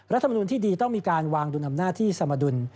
รัฐมนุนที่ดีต้องมีการวางดุลอำนาจที่สมดุล